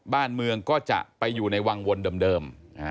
บ้านเมืองก็จะไปอยู่ในวังวนเดิม